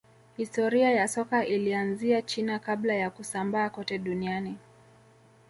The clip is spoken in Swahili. historia ya soka ilianzia china kabla ya kusambaa kote duniani